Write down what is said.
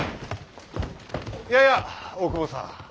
やや大久保さん。